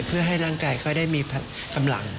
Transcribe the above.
เพื่อให้ร่างกายเขาได้มีกำลัง